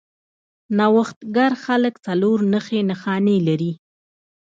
نوښتګر خلک څلور نښې نښانې لري.